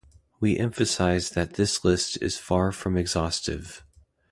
We emphasize that "this list is far from exhaustive".